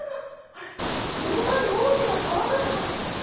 あれ目の前に大きな川が流れてる。